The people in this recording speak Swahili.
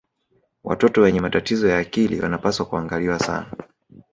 watoto wenye matatizo ya akili wanapaswa kuangaliwa sana